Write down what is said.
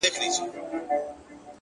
لكه سپوږمۍ چي ترنده ونيسي؛